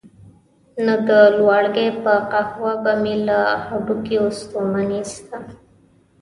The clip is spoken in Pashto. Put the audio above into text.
نو د لواړګي په قهوه به مې له هډوکیو ستوماني ایسته.